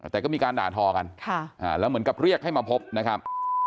แต่ก็มีการด่าทอกันแล้วเหมือนกับเรียกให้มาพบนะครับ